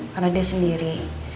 karena dia sendiri